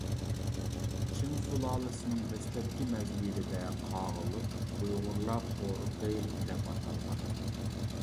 چىڭ سۇلالىسىنىڭ دەسلەپكى مەزگىلىدە قاغىلىق ئۇيغۇرلار قورۇقى دەپ ئاتالغان.